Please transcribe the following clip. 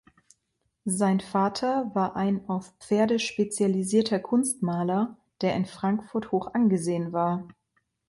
Sein Vater war ein auf Pferde spezialisierter Kunstmaler, der in Frankfurt hoch angesehen war.